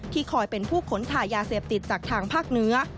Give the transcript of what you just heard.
ถ่ายยาเสพติดจากทางภาคเนื้อ